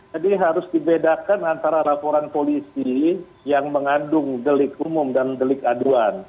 jadi harus dibedakan antara laporan polisi yang mengandung delik umum dan delik aduan